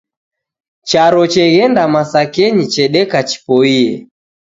Charo cheghenda masakenyi chedeka chipoiye.